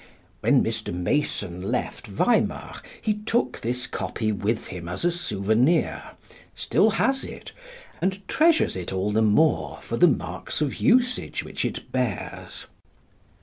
When Mr. Mason left Weimar he took this copy with him as a souvenir, still has it, and treasures it all the more for the marks of usage which it bears.